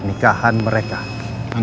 ini bunga yang saya beli